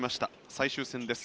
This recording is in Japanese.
最終戦です。